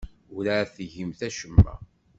Werɛad tgimt acemma.